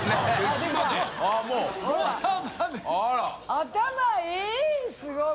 頭いい！